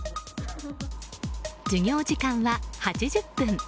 授業時間は８０分。